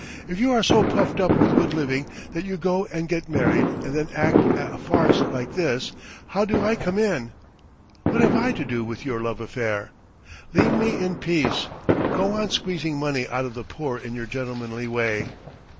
"If you are so puffed up with good living that you go and get married and then act a farce like this, how do I come in? What have I to do with your love affairs? Leave me in peace! Go on squeezing money out of the poor in your gentlemanly way.